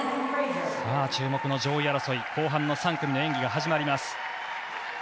注目の上位争い後半の３組の演技が始まります。